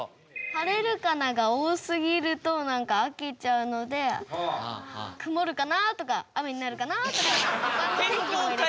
「晴れるかな」が多すぎるとなんか飽きちゃうので「曇るかな」とか「雨になるかな」とかって他の。